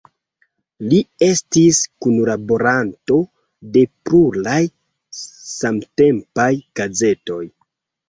Li estis kunlaboranto de pluraj samtempaj gazetoj.